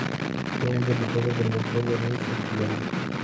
Fue interpretado por el actor Denis Akiyama.